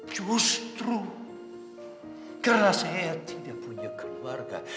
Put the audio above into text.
justru karena saya tidak punya keluarga